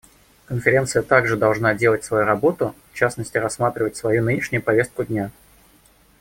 Конференция также должна делать свою работу, в частности рассматривать свою нынешнюю повестку дня.